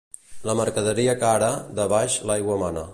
La mercaderia cara, de baix l'aigua mana.